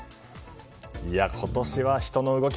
今年は人の動き